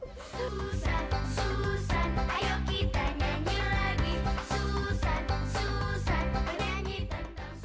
susan susan penyanyi tentang susan